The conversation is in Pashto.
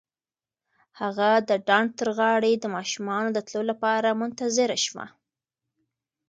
هغه د ډنډ تر غاړې د ماشومانو د تلو لپاره منتظره شوه.